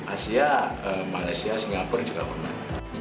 asia malaysia singapura juga pernah